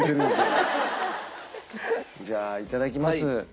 じゃあいただきます。